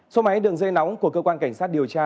số máy đường dây nóng của cơ quan cảnh sát điều tra